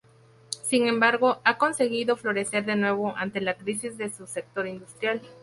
Sin embargo, ha conseguido florecer de nuevo ante la crisis de su sector industrial.